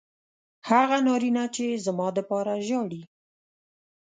هغه نارینه چې زما دپاره ژاړي